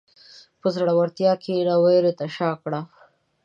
په زړورتیا کښېنه، وېرې ته شا کړه.